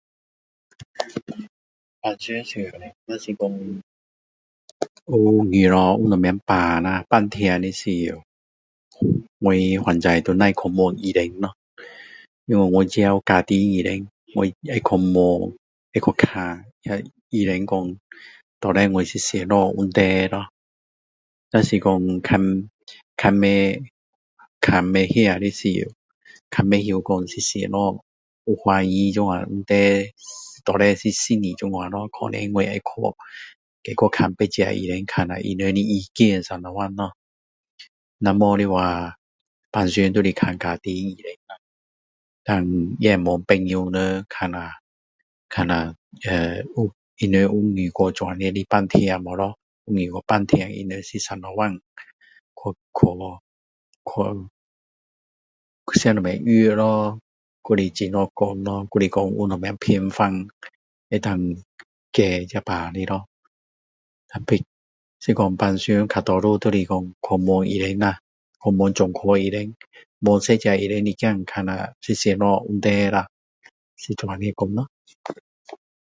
平常时若是说有遇到什么病啊病痛时我反正会去问医生咯因为我有我自己有家庭医生我会去问会去看看医生说到底我是什么问题咯要是看不看不不知道时看不懂那是什么有怀疑这样问题到底是不是这样咯可能我会去再去看车的医生看下他们的意见是怎么样咯不然的话平时就是看家庭医生咯胆也会问朋友们看下看下他们有遇过这样的病痛吗咯有遇到病痛他们是怎么样去去吃什么药咯还是怎么办法还是有什么偏方可以解这样的病痛还是去问医生去问专科医生问多一点医生看下是什么问题啦是这样说咯